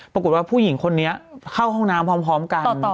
ผู้หญิงคนนี้เข้าห้องน้ำพร้อมกัน